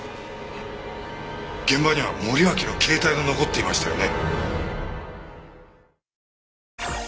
現場には森脇の携帯が残っていましたよね？